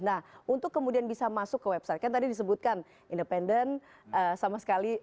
nah untuk kemudian bisa masuk ke website kan tadi disebutkan independen sama sekali